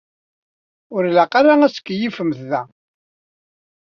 Ur ilaq ara ad tkeyyfemt da.